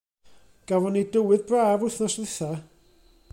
Gafo' ni dywydd braf wythnos ddwytha'.